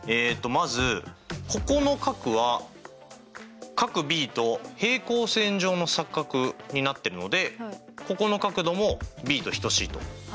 まずここの角は角ｂと平行線上の錯角になってるのでここの角度もｂと等しいと。